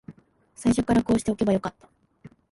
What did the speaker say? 最初からこうしておけばよかった